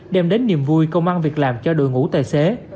đem đến niềm vui công an việc làm cho đội ngũ tài xế